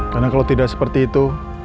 karena kalau tidak seperti itu